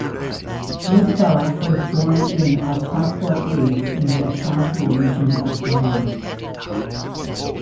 Musah was born in Asokwa East in the Ashanti Region of Ghana.